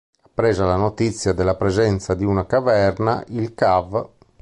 Appresa la notizia della presenza di una caverna, il cav.